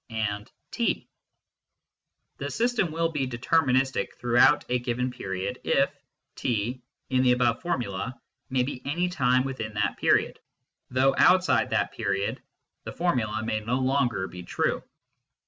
(A) The system will be " deterministic throughout a given period " if t, in the above formula, may be any time within that period, though outside that period the formula may be no longer true.